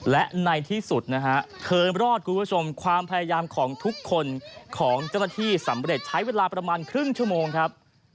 และในที่สุดนะฮะเธอรอดคุณผู้ชมความพยายามของทุกคนของเจ้าหน้าที่สำเร็จใช้เวลาประมาณครึ่งชั่วโมงครับ